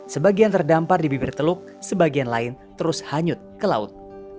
sebagian terdampar di bibir teluk sebagian lain terus hanyut ke laut